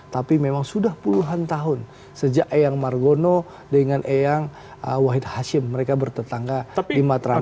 tapi memang sudah puluhan tahun sejak eyang margono dengan eyang wahid hashim mereka bertetangga di matraman